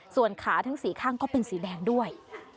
ส่วนขาทั้ง๔ข้างก็เป็นสีแดงด้วย